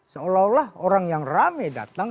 seolah olah orang yang rame datang